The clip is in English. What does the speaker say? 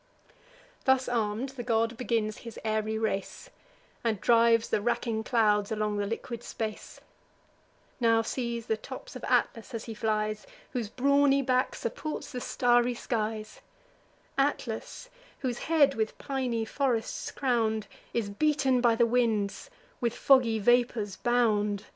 Thus arm'd, the god begins his airy race, And drives the racking clouds along the liquid space; Now sees the tops of Atlas, as he flies, Whose brawny back supports the starry skies; Atlas, whose head, with piny forests crown'd, Is beaten by the winds, with foggy vapours bound.